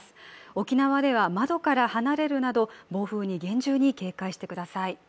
沖縄では窓から離れるなど暴風に厳重に警戒してください。